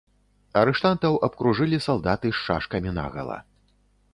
Арыштантаў абкружылі салдаты з шашкамі нагала.